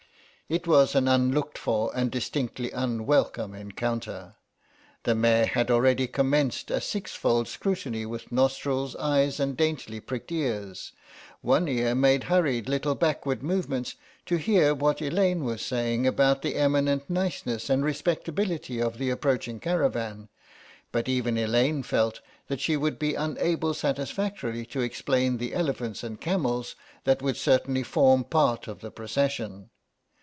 It was an unlooked for and distinctly unwelcome encounter. The mare had already commenced a sixfold scrutiny with nostrils, eyes and daintily pricked ears; one ear made hurried little backward movements to hear what Elaine was saying about the eminent niceness and respectability of the approaching caravan, but even Elaine felt that she would be unable satisfactorily to explain the elephants and camels that would certainly form part of the procession.